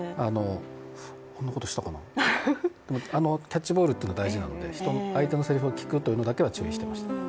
こんなことしたかなキャッチボールっていうのは大事なので相手のせりふを聞くということは注意していました。